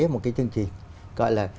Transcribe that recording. một cái chương trình gọi là